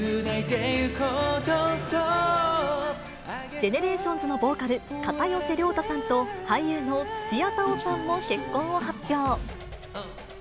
ＧＥＮＥＲＡＴＩＯＮＳのボーカル、片寄涼太さんと、俳優の土屋太鳳さんも結婚を発表。